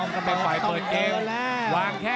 ครบเลยนักด้วย